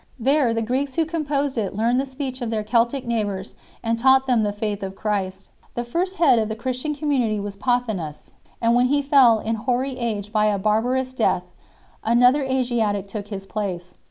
There the Greeks who composed it learned the speech of their Keltic neighbours and taught them the faith of Christ. The first head of the Christian community was Pothinus; and when he fell in hoary age by a bar barous death, another Asiatic took his place.